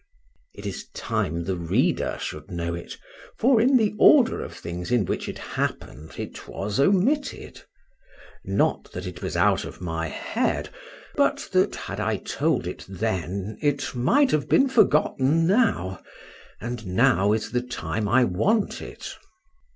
It is time the reader should know it, for in the order of things in which it happened, it was omitted: not that it was out of my head; but that had I told it then it might have been forgotten now;—and now is the time I want it.